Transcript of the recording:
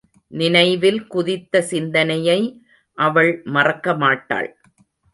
நினைவில் குதித்த சிந்தனையை அவள் மறக்க மாட்டாள்.